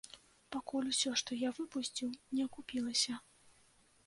Пакуль усё, што я выпусціў, не акупілася.